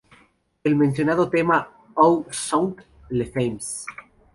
El mencionado tema "Où sont les femmes?